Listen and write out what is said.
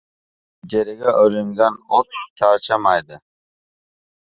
Ijaraga olingan ot charchamaydi.